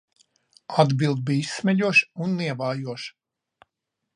Atbilde bija izsmejoša un nievājoša.